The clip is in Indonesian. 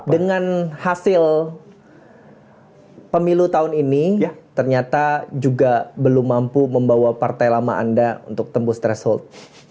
dengan hasil pemilu tahun ini ternyata juga belum mampu membawa partai lama anda untuk tembus threshold